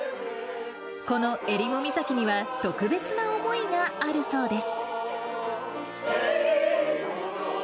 この襟裳岬には、特別な思いがあるそうです。